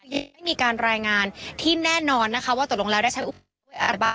ยังไม่มีการรายงานที่แน่นอนนะคะว่าตกลงแล้วได้ใช้อุปกรณ์ด้วยอาราบะ